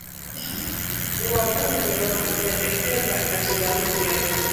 Wabunge wamependekeza katiba mpya.